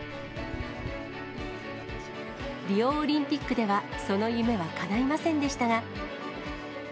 リオオリンピックでは、その夢はかないませんでしたが。